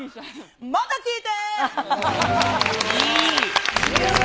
また聞いて。